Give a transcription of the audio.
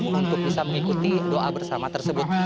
untuk bisa mengikuti doa bersama tersebut